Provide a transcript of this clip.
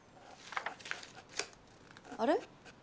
あれ？